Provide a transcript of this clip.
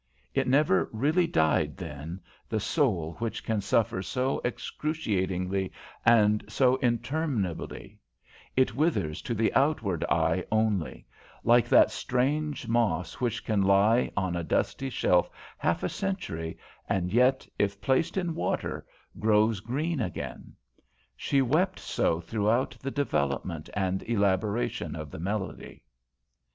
It never really died, then the soul which can suffer so excruciatingly and so interminably; it withers to the outward eye only; like that strange moss which can lie on a dusty shelf half a century and yet, if placed in water, grows green again. She wept so throughout the development and elaboration of the melody.